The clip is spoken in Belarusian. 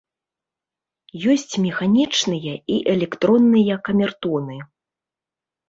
Ёсць механічныя і электронныя камертоны.